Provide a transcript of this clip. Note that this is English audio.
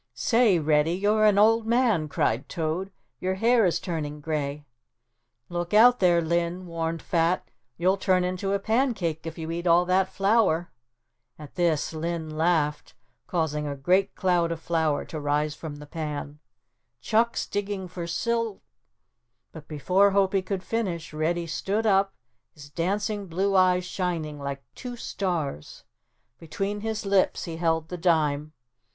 "Say, Reddy, you're an old man," cried Toad, "your hair is turning gray." "Look out there, Linn," warned Fat, "you'll turn into a pancake if you eat all that flour." At this Linn laughed, causing a great cloud of flour to rise from the pan. "Chuck's digging for sil " but before Hopie could finish Reddy stood up, his dancing blue eyes shining like two stars. Between his lips he held the dime.